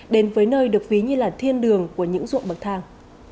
đến với nơi được ví như là thiên đường của những ruộng bậc thang